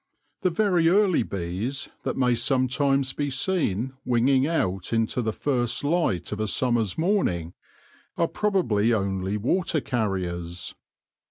The very early bees that may sometimes be seen winging out into the first light of a summer's morning, are probably only water carriers.